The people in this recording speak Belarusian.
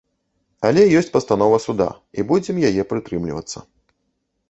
Але ёсць пастанова суда, і будзем яе прытрымлівацца.